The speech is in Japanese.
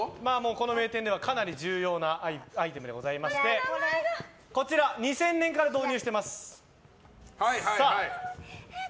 この名店ではかなり重要なアイテムでこちら２０００年から導入しています。